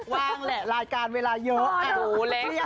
ว่างแหละรายการเวลาเยอะ